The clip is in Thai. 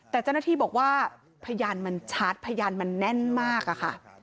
แต่เจ้าหน้าที่บอกว่าพยานมันชัดพยานมันแน่นมากอะค่ะ